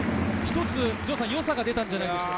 良さが出たんじゃないですか。